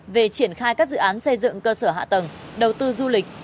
về triển khai các dự án xây dựng cơ sở hạ tầng đầu tư du lịch